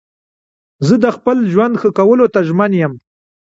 زه د خپل ژوند ښه کولو ته ژمن یم.